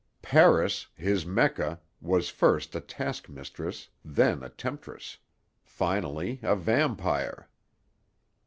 Paris, his Mecca, was first a task mistress, then a temptress, finally a vampire.